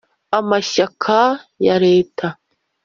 amashyaka ya leta